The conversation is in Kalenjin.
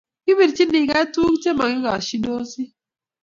Kipirchinigei tukuk Che makikashindosi